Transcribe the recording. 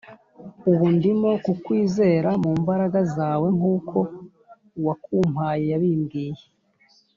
ubu ndimo kukwizera mu mbaraga zawe nkuko uwakumpaye yabimbwiye